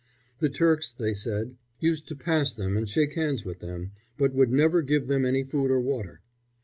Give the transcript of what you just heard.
The Turks, they said, used to pass them and shake hands with them, but would never give them any food or water.